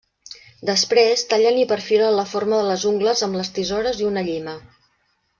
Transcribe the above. Després, tallen i perfilen la forma de les ungles amb les tisores i una llima.